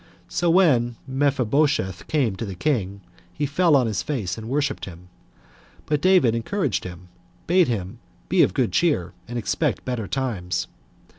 So when Mephibosheth came to the king, he fell on his face and worshipped him; but David encouraged him, bade him be of good cheer, and expect better times.